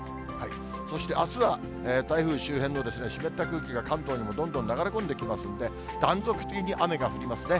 そしてあすは台風周辺の湿った空気が関東にもどんどん流れ込んできますんで、断続的に雨が降りますね。